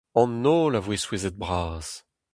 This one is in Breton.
An holl a voe souezhet-bras.